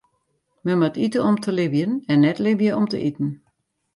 Men moat ite om te libjen en net libje om te iten.